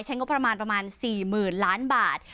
เช่นก็ประมาณ๔หมื่นล้านบาท